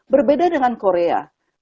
berbeda dengan korea